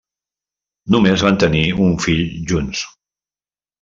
Només van tenir un fill junts.